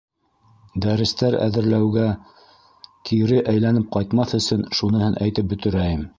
Дәрестәр әҙерләүгә кире әйләнеп ҡайтмаҫ өсөн, шуныһын әйтеп бөтөрәйем.